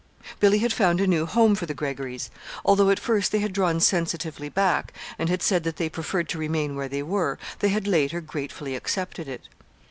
Billy had found a new home for the Greggorys; although at first they had drawn sensitively back, and had said that they preferred to remain where they were, they had later gratefully accepted it.